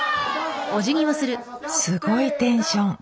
すごいテンション。